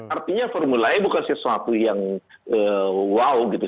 artinya formula e bukan sesuatu yang wow gitu